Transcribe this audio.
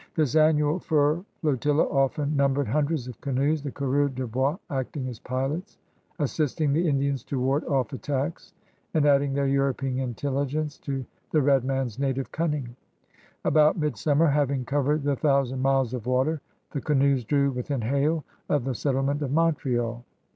This annual fur flotilla often numbered himdreds of canoes, the coureurs de hois acting as pilots, assisting the Indians to ward off attacks, and adding their European intelligence to the red man's native cunning.' About mid summer, having covered the thousand miles of water, the canoes drew within hail of the settle ment of Montreal.